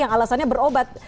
yang alasannya berobat